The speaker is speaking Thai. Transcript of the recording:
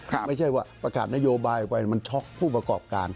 ไม่ใช่ว่าประกาศนโยบายไปมันช็อกผู้ประกอบการ